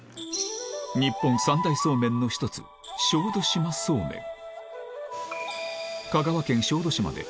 日本３大そうめんの１つ小豆島そうめん